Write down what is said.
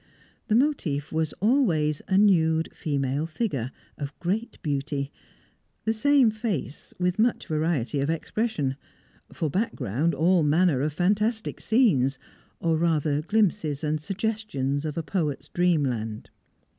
The motive was always a nude female figure, of great beauty; the same face, with much variety of expression; for background all manner of fantastic scenes, or rather glimpses and suggestions of a poet's dreamland.